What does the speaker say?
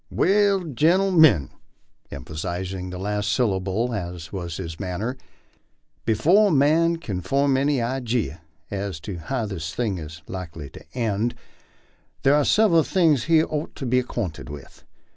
"Well, gentlemen," emphasizing the last syllable as was his manner, "be fore a man kin form any ijee as to how this thing is likely to end, thar are sev eral things he ort to be acquainted with.